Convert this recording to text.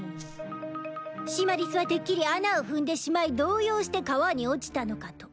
シマリスはてっきり穴を踏んでしまい動揺して川に落ちたのかと。